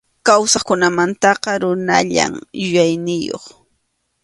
Kawsaqkunamantaqa runallam yuyayniyuq.